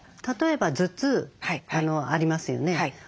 例えば頭痛ありますよね。